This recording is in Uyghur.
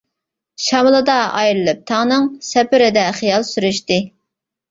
شامىلىدا ئايرىلىپ تاڭنىڭ، سەپىرىدە خىيال سۈرۈشتى.